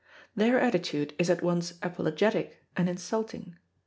Their attitude is at once apologetic and insulting.